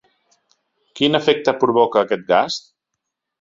Quin efecte provoca aquest gas?